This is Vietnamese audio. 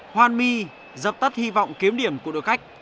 juanmi dập tắt hy vọng kiếm điểm của đội khách